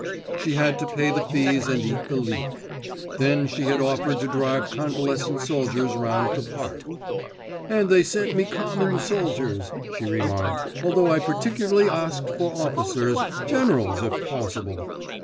She had to pay the fees and eat the leek. Then she had offered to drive convalescent soldiers round the Park. "And they sent me common soldiers," she remarked, "although I particularly asked for officers, generals if possible."